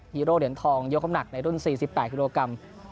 ีโร่เหรียญทองยกคำหนักในรุ่น๔๘กิโลกรัม